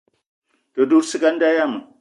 Te dout ciga a nda yiam.